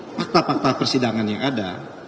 fakta fakta persidangan yang ada